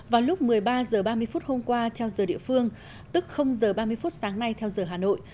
vào lúc một mươi ba h ba mươi hôm qua theo giờ địa phương tức h ba mươi phút sáng nay theo giờ hà nội